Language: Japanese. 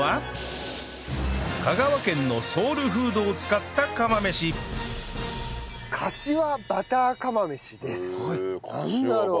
香川県のソウルフードを使った釜飯なんだろう？